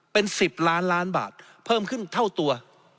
เป็น๑๐ล้านล้านบาทเพิ่มขึ้นเท่าตัว